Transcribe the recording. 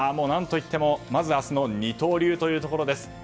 何といってもまず明日の二刀流というところです。